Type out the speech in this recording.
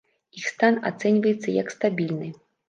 Іх стан ацэньваецца, як стабільны.